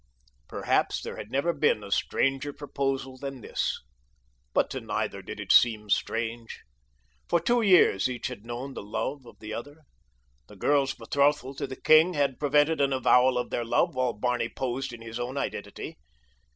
Perhaps there never had been a stranger proposal than this; but to neither did it seem strange. For two years each had known the love of the other. The girl's betrothal to the king had prevented an avowal of their love while Barney posed in his own identity.